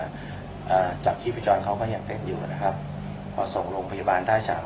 อ่าจับที่พยาบาลเขาก็ยังเป็นอยู่นะครับพอส่งลงพยาบาลท่าฉาง